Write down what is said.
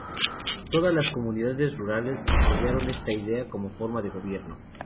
Todas las comunidades rurales apoyaron esta idea como forma de gobierno.